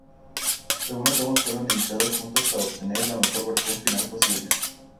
Algunas tomas fueron editadas juntas para obtener la mejor versión final posible.